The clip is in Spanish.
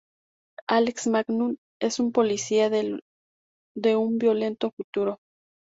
Alex Magnum es un policía de un violento futuro.